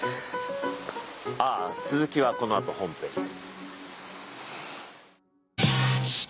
ああ続きはこのあと本編で。